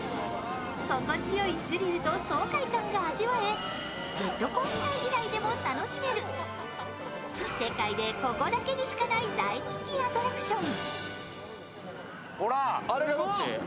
心地よいスリルと爽快感が味わえ、ジェットコースター嫌いでも楽しめる世界でここだけにしかない大人気アトラクション。